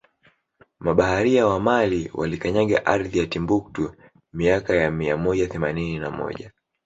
Mabaharia wa Mali walikanyaga ardhi ya Timbuktu miaka ya mia moja themanini na moja